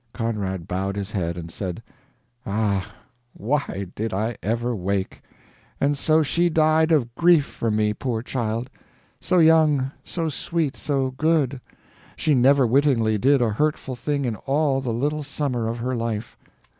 Conrad bowed his head and said: "Ah, why did I ever wake! And so she died of grief for me, poor child. So young, so sweet, so good! She never wittingly did a hurtful thing in all the little summer of her life.